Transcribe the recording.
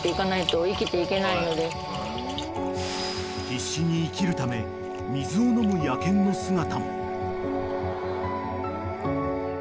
［必死に生きるため水を飲む野犬の姿も］